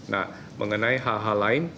nah mengenai hal hal lain